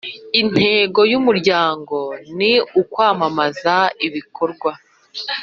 Intego y umuryango ni ukwamamaza ibikorwa